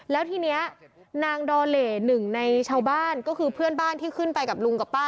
แล้วทีนี้นางดอเลหนึ่งในชาวบ้านก็คือเพื่อนบ้านที่ขึ้นไปกับลุงกับป้า